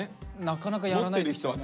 なかなかやらないですよね。